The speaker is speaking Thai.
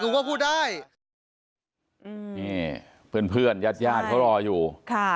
กูก็พูดได้เฮ้นเพื่อนยาดยาดเขารออยู่ค่ะ